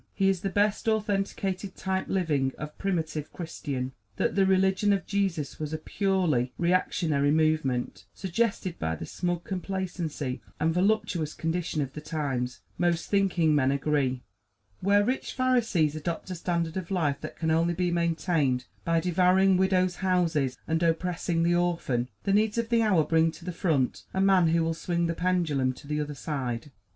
He is the best authenticated type living of primitive Christian. That the religion of Jesus was a purely reactionary movement, suggested by the smug complacency and voluptuous condition of the times, most thinking men agree. Where rich Pharisees adopt a standard of life that can only be maintained by devouring widows' houses and oppressing the orphan, the needs of the hour bring to the front a man who will swing the pendulum to the other side.